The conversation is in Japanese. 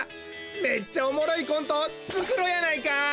めっちゃおもろいコントをつくろうやないか！